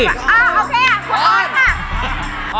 อ่าโอเคอ่ะคุณอ่อนค่ะ